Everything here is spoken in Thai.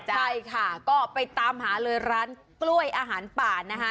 ใช่ค่ะก็ไปตามหาเลยร้านกล้วยอาหารป่านะคะ